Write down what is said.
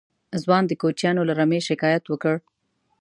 ځوان د کوچيانو له رمې شکايت وکړ.